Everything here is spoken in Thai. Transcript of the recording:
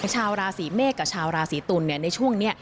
ชาวราศีเมษกับชาวราศีตุลในช่วงนี้